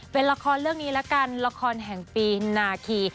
เป็นละครเรื่องนี้ละกันละครแห่งปีนาคี